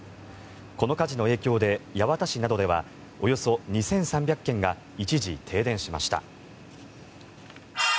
この火事の影響で八幡市などではおよそ２３００軒が一時停電しました。